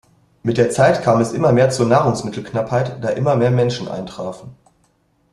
Mit der Zeit kam es immer mehr zur Nahrungsmittelknappheit, da immer mehr Menschen eintrafen.